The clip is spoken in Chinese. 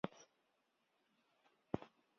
近点年也比回归年长。